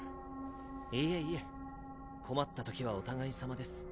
いえいえ困ったときはお互いさまです。